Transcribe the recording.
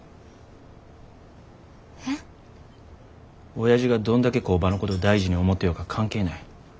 おやじがどんだけ工場のことを大事に思ってようが関係ない。